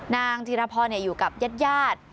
นางจิรพรอยู่กับญาติ